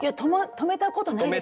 止めたことないです。